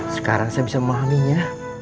sekarang saya bisa memahaminya